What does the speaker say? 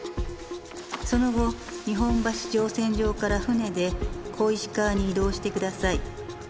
「その後日本橋乗船場から船で小石川に移動して下さい」